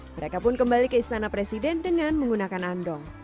mereka pun kembali ke istana presiden dengan menggunakan andong